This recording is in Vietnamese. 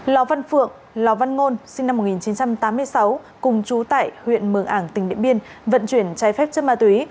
lò văn phượng lò văn ngôn sinh năm một nghìn chín trăm tám mươi sáu cùng chú tại huyện mường ảng tỉnh điện biên vận chuyển trái phép chất ma túy